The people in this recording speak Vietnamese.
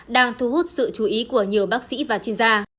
đang thu hút sự chú ý của nhiều bác sĩ và chuyên gia